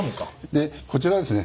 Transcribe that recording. でこちらはですね